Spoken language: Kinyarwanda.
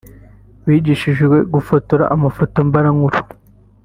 bigishijwe gufotora amafoto mbarankuru